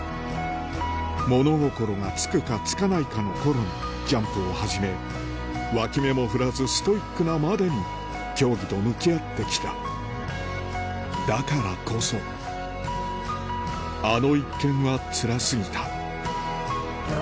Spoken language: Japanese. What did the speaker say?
物心がつくかつかないかの頃にジャンプを始め脇目も振らずストイックなまでに競技と向き合ってきただからこそあの一件はつら過ぎた